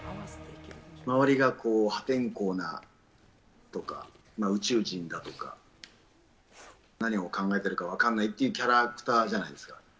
周りが破天荒なとか宇宙人だとか、何を考えているか分からないっていうキャラクターじゃないですか。